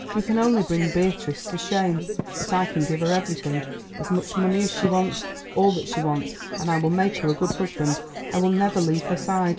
You can only bring Beatrice to shame, but I can give her everything, as much money as she wants, all that she wants, and I will make her a good husband; I will never leave her side."